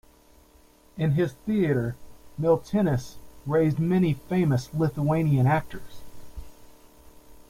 In his theatre Miltinis raised many famous Lithuanian actors.